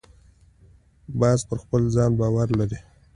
باز پر خپل ځان باور لري